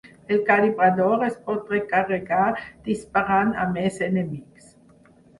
El calibrador es pot recarregar disparant a més enemics.